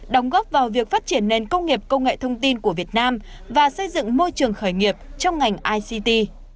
đóng góp vào việc phát triển nền công nghiệp công nghệ thông tin của việt nam và xây dựng môi trường khởi nghiệp trong ngành ict